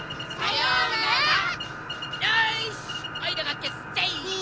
よしおいらがけすぜい！